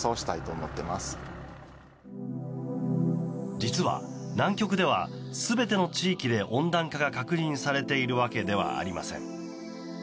実は南極では、全ての地域で温暖化が確認されているわけではありません。